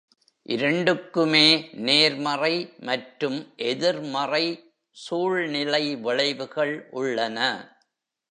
இரண்டுக்குமே நேர்மறை மற்றும் எதிர்மறை சூழ்நிலை விளைவுகள் உள்ளன.